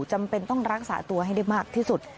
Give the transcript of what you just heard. จำเป็นต้องรักษาตัวให้ได้มากที่สุด